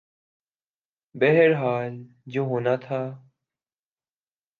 بہرحال جو ہونا تھا۔